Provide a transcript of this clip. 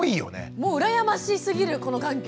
もう羨ましすぎるこの環境。